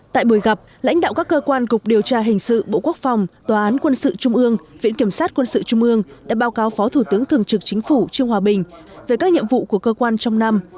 tại buổi gặp lãnh đạo các cơ quan cục điều tra hình sự bộ quốc phòng tòa án quân sự trung ương viện kiểm sát quân sự trung ương đã báo cáo phó thủ tướng thường trực chính phủ trương hòa bình về các nhiệm vụ của cơ quan trong năm